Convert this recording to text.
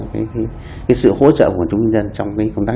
và sự hỗ trợ của quần chúng nhân dân